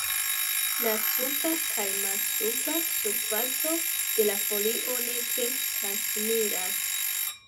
La supra kaj malsupra surfaco de la folio ne tre malsimilas.